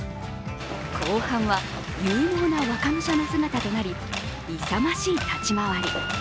後半は、勇猛な若武者の姿となり勇ましい立ち回り。